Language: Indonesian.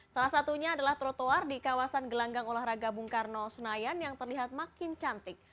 salah satunya adalah trotoar di kawasan gelanggang olahraga bung karno senayan yang terlihat makin cantik